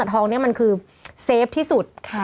ทองนี้มันคือเซฟที่สุด